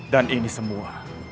dan ini semua